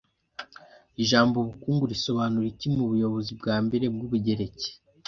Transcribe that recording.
Ijambo ubukungu risobanura iki mubuyobozi bwambere bwubugereki